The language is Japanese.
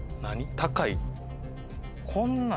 高い？